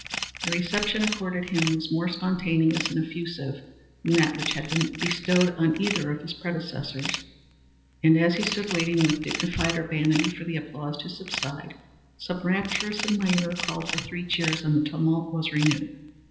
The reception accorded him was more spontaneous and effusive than that which had been bestowed on either of his predecessors, and as he stood waiting with dignified urbanity for the applause to subside, some rapturous admirer called for three cheers, and the tumult was renewed.